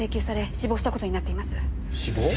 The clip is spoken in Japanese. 死亡？